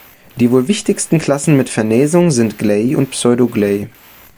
Die wohl wichtigsten Klassen mit Vernässung sind Gleye und Pseudogleye.